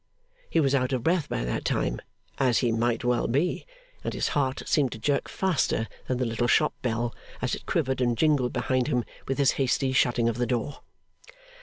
He was out of breath by that time, as he might well be, and his heart seemed to jerk faster than the little shop bell, as it quivered and jingled behind him with his hasty shutting of the door.